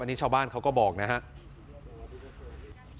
นี่ชาวบ้านเขาก็บอกนะครับ